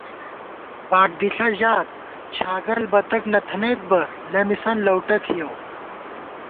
باڈ دِݪہ ژات چھاگل بتَک نہ تھنَئیت بہ لَمِسَن لؤٹہ تھِیَؤ